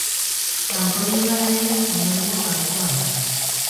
Balkoi hegala ere ondorengo garaikoa da.